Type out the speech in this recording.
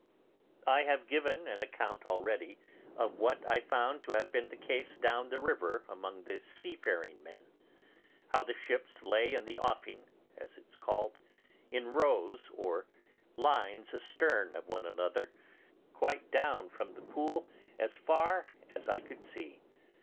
I have given an account already of what I found to have been the case down the river among the seafaring men; how the ships lay in the offing, as it's called, in rows or lines astern of one another, quite down from the Pool as far as I could see.